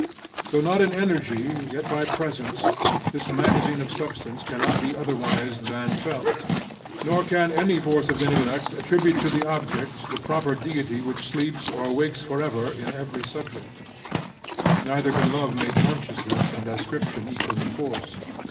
Though not in energy, yet by presence, this magazine of substance cannot be otherwise than felt; nor can any force of intellect attribute to the object the proper deity which sleeps or wakes forever in every subject. Never can love make consciousness and ascription equal in force.